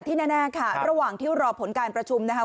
แน่ค่ะระหว่างที่รอผลการประชุมนะคะ